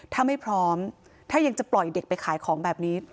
ถ้าไม่พร้อมถ้ายังจะปล่อยเด็กไปขายของแบบนี้